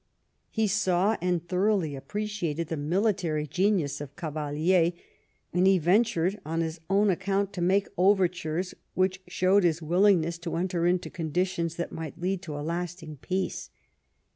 He saw and thoroughly appreciated the military genius of Cavalier, and he ventured on his own account to make overtures which showed his will ingness to enter into conditions that might lead to a lasting peace.